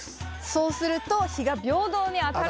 そうすると日が平等に当たる。